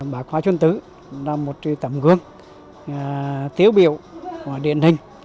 bà hoa xuân tứ là một tấm gương tiếu biểu của điện hình